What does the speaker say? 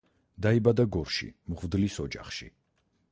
დაიბადა გორში, მღვდლის ოჯახში.